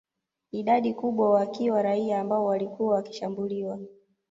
Idadi kubwa wakiwa raia ambao walikuwa wakishambuliwa